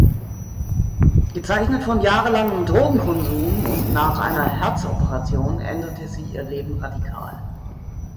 Gezeichnet von jahrelangem Drogenkonsum und nach einer Herzoperation änderte sie ihr Leben radikal.